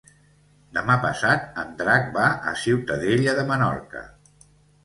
Demà passat en Drac va a Ciutadella de Menorca.